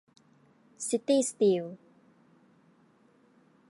ซิตี้ สตีล